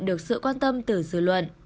được sự quan tâm từ dư luận